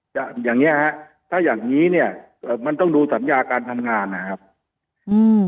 อย่างเนี้ยฮะถ้าอย่างงี้เนี้ยเอ่อมันต้องดูสัญญาการทำงานนะครับอืม